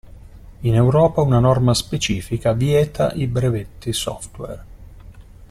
In Europa una norma specifica vieta i brevetti software.